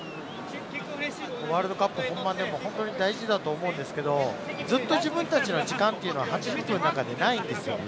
ワールドカップ本番でも本当に大事だと思うんですけど、ずっと自分たちの時間は８０分の中でないんですよ。